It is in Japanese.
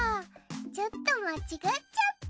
ちょっと間違っちゃった。